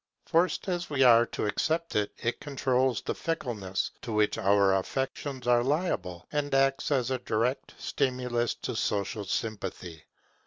Forced as we are to accept it, it controls the fickleness to which our affections are liable, and acts as a direct stimulus to social sympathy.